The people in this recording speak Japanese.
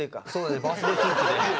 バースデースーツで。